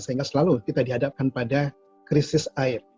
saya ingat selalu kita dihadapkan pada krisis air